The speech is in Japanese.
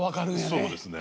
そうですね。